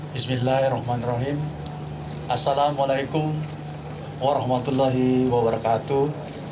bismillahirrahmanirrahim assalamualaikum warahmatullahi wabarakatuh